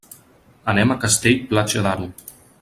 Anem a Castell-Platja d'Aro.